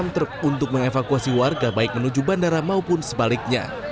truk untuk mengevakuasi warga baik menuju bandara maupun sebaliknya